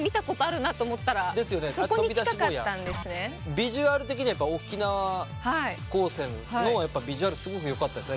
ビジュアル的には沖縄高専のビジュアルすごくよかったですね。